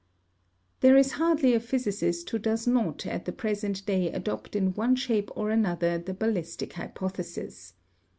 ] There is hardly a physicist who does not at the present day adopt in one shape or another the ballistic hypothesis.